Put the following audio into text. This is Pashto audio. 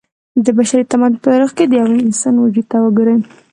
د بشري تمدن په تاريخ کې د يوه انسان وجود ته وګورئ